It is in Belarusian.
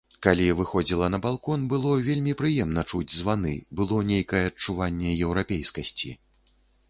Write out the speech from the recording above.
Калі выходзіла на балкон, было вельмі прыемна чуць званы, было нейкае адчуванне еўрапейскасці.